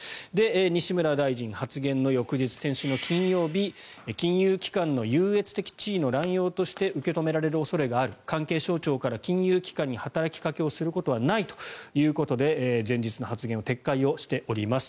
西村大臣、発言の翌日先週の金曜日金融機関の優越的地位の乱用として受け止められる恐れがある関係省庁から金融機関に働きかけをすることはないということで前日の発言を撤回をしております。